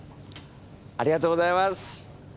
ありがとうございます。